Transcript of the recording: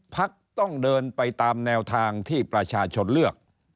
พักต้องเดินไปตามแนวทางที่ประชาชนเลือก